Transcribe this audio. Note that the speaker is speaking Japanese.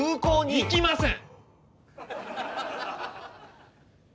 行きません！